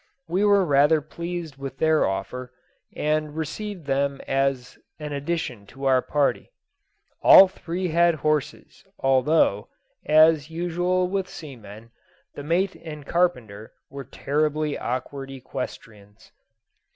We were rather pleased with their offer, and received them as an addition to our party. All three had horses, although, as usual with seamen, the mate and carpenter were terribly awkward equestrians.